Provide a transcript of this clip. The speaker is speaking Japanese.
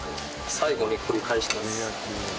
最後にひっくり返します。